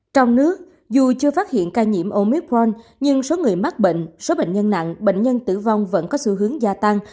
trong nước dù chưa phát hiện ca nhiễm omicron nhưng số người mắc bệnh số bệnh nhân nặng bệnh nhân tử vong vẫn có xu hướng gia tăng